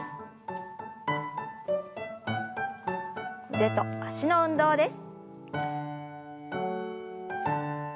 腕と脚の運動です。